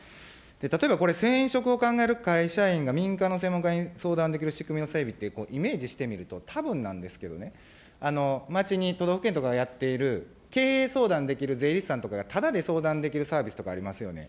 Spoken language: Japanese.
例えばこれ、転職を考える会社員が民間の専門家に相談できる仕組みの整備って、これ、イメージしてみると、たぶんなんですけどね、街に、都道府県とかがやっている、経営相談できる税理士さんとかがただで相談できるサービスとかありますよね。